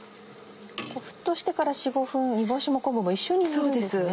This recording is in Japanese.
沸騰してから４５分煮干しも昆布も一緒に煮るんですね。